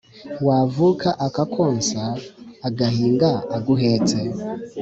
Wavuka akakonsa Agahinga aguhetse,